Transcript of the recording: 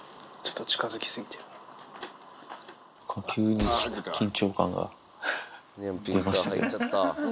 急に緊張感が出ましたね。